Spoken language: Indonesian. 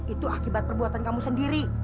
itu akibat perbuatan kamu sendiri